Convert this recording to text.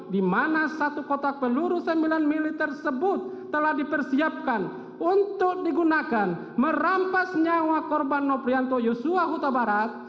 dimana satu kotak peluru sembilan mm tersebut telah dipersiapkan untuk digunakan merampas nyawa korban nopiansa yosua huta barat